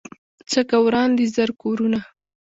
څه که وران دي زر کورونه